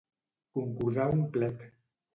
Concordar un plet.